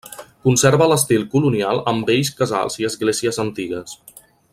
Conserva l'estil colonial amb vells casals i esglésies antigues.